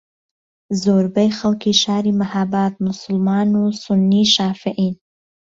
زۆربەی خەڵکی شاری مەھاباد موسڵمان و سوننی شافعیین